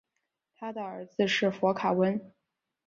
他的儿子是佛卡温。